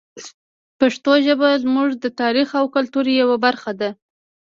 پښتو ژبه زموږ د تاریخ او کلتور یوه برخه ده.